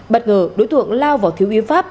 bất ngờ đối tượng lao vào thiếu úy pháp